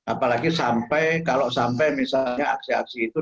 apalagi sampai kalau sampai misalnya aksi aksi itu